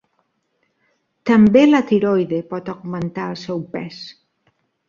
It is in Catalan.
També la tiroide pot augmentar el seu pes.